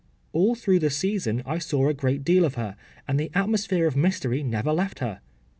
” ‘All through the season I saw a great deal of her, and the atmosphere of mystery never left her.